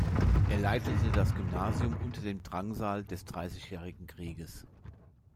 Er leitete das Gymnasium unter dem Drangsal des Dreißigjährigen Krieges.